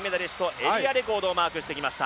エリアレコードをマークしてきました。